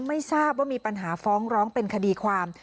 ไม่ทราบว่ามีปัญหาฟ้องร้องเป็นคดีความ